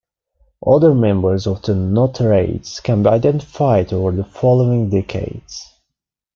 Other members of the Notarades can be identified over the following decades.